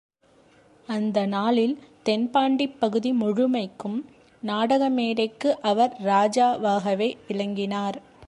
அந்த நாளில் தென்பாண்டிப் பகுதி முழுமைக்கும் நாடக மேடைக்கு அவர் ராஜாவாகவே விளங்கினார்.